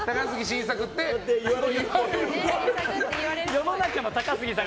世の中の高杉さん